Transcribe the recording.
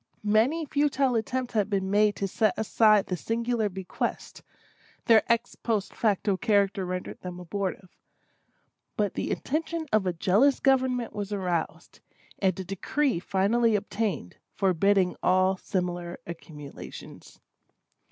Many futile attempts had been made to set aside this singular bequest; their ex post facto character rendered them abortive; but the attention of a jealous government was aroused, and a decree finally obtained, forbidding all similar accumulations.